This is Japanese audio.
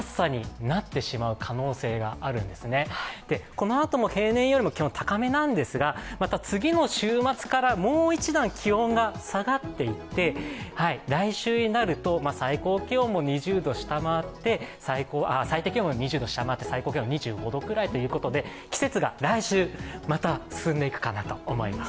このあとも平年よりも気温高めですが次の週末からもう一段気温が下がっていって来週になると最低気温が２０度下回って最高気温２５度くらいということで、季節は来週また進んでいくのかなと思います。